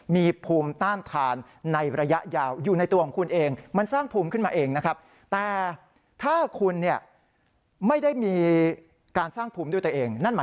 มีภูมิต้านทานในระยะยาวอยู่ในตัวของคุณเอง